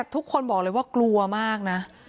ทุกคนบอกเลยว่ากลัวมากนะ